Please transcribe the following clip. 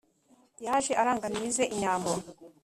yaje arangamiye ize inyambo